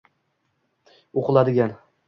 o’qiladigan